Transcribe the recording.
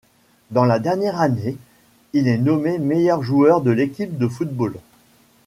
Dans sa dernière année, il est nommé meilleur joueur de l'équipe de football.